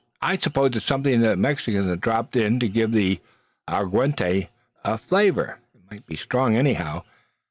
"I suppose it's something that the Mexicans have drapped in to give the agwardenty a flayver. It's mighty strong anyhow.